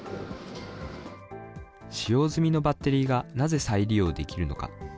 使用済みのバッテリーがなぜ再利用できるのか。